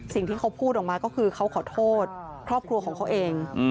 สิ่งที่เขาพูดออกมาก็คือเขาขอโทษครอบครัวของเขาเอง